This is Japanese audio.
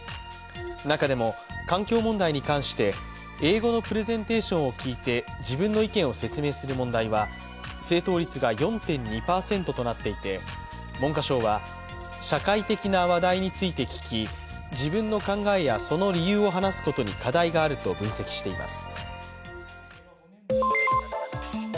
中でも環境問題に関して英語のプレゼンテーションを聞いて自分の意見を説明する問題は正答率が４．２％となっていて文科省は、社会的な話題について聞き、自分の考えやその理由を話すことに課題があると分析しています。